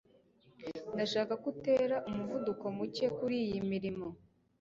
ndashaka ko utera umuvuduko muke kuriyi mirimo